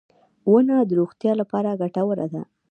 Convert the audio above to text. • ونه د روغتیا لپاره ګټوره ده.